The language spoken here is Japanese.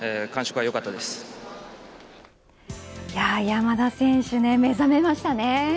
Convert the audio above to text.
山田選手、目覚めましたね。